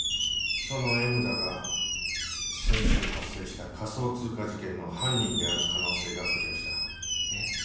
そのＭだが先週発生した仮想通貨事件の犯人である可能性が浮上したえっ？